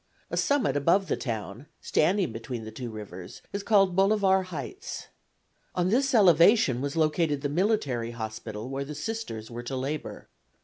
A summit above the town, standing between the two rivers, is called Bolivar Heights. On this elevation was located the military hospital where the Sisters were to labor.